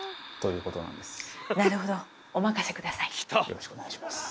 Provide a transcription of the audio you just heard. よろしくお願いします。